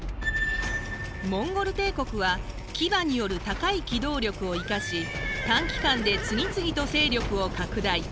モンゴル帝国は騎馬による高い機動力を生かし短期間で次々と勢力を拡大。